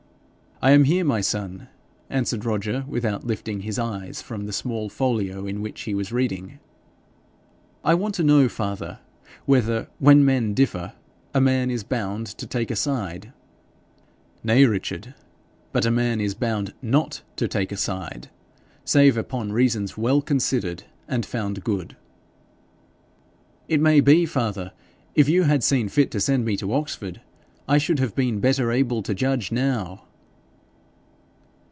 'I am here, my son,' answered Roger, without lifting his eyes from the small folio in which he was reading. 'I want to know, father, whether, when men differ, a man is bound to take a side.' 'Nay, Richard, but a man is bound NOT to take a side save upon reasons well considered and found good.' 'It may be, father, if you had seen fit to send me to Oxford, I should have been better able to judge now.'